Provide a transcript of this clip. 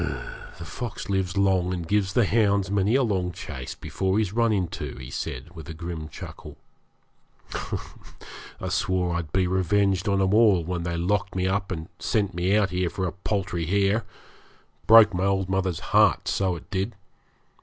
'The fox lives long, and gives the hounds many a long chase before he's run into,' he said, with a grim chuckle. 'I swore I'd be revenged on 'em all when they locked me up and sent me out here for a paltry hare; broke my old mother's heart, so it did.